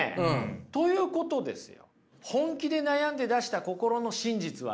ということですよ。